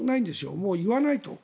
もう言わないと。